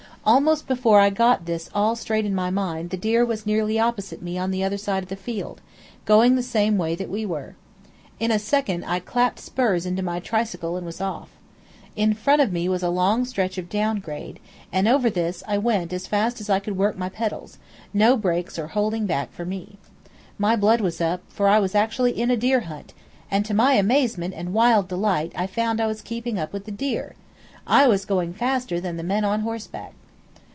Almost before I got this all straight in my mind the deer was nearly opposite me on the other side of the field, going the same way that we were. In a second I clapped spurs into my tricycle and was off. In front of me was a long stretch of down grade, and over this I went as fast as I could work my pedals; no brakes or holding back for me. My blood was up, for I was actually in a deer hunt, and to my amazement and wild delight I found I was keeping up with the deer. I was going faster than the men on horseback.